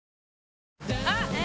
あっ！！！え？？